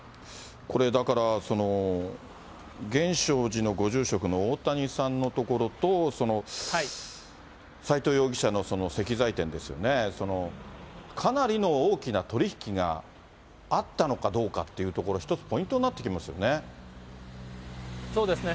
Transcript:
これだから、源証寺のご住職の大谷さんのところと、その斎藤容疑者の石材店ですよね、かなりの大きな取り引きがあったのかどうかっていうところは、一そうですね。